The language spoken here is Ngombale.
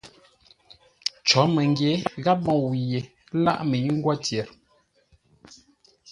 Cǒ məngyě gháp môu yé láʼ mə́i ngwó tyer.